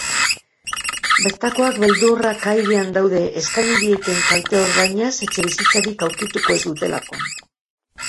Bertakoak beldurrak airean daude eskaini dieten kalte-ordainaz etxebizitzarik aurkituko ez dutekakoan.